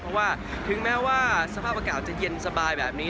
เพราะว่าถึงแม้ว่าสภาพอากาศจะเย็นสบายแบบนี้